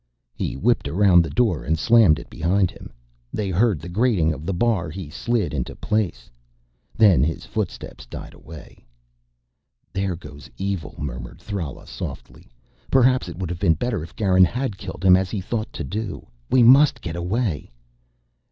He whipped around the door and slammed it behind him. They heard the grating of the bar he slid into place. Then his footsteps died away. "There goes evil," murmured Thrala softly. "Perhaps it would have been better if Garin had killed him as he thought to do. We must get away...."